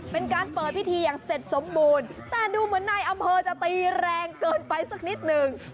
เป็นการเปิดพิธีอย่างเสร็จสมบูรณ์แต่ดูเหมือนในอำเภอจะตีแรงเกินไปสักนิดหนึ่ง